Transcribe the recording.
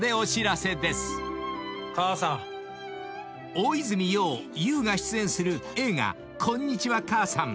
［大泉洋ＹＯＵが出演する映画『こんにちは、母さん』］